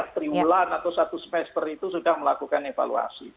tiga triwulan atau satu semester itu sudah melakukan evaluasi